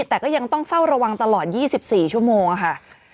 แต่ก็ยังต้องเฝ้าระวังตลอด๒๔ชั่วโมงค่ะ